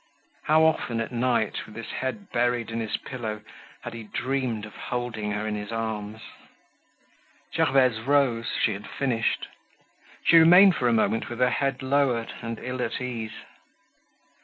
How often at night, with his head buried in his pillow, had he dreamed of holding her in his arms. Gervaise rose; she had finished. She remained for a moment with her head lowered, and ill at ease.